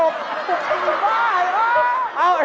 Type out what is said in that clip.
บ้าให้เอ้อ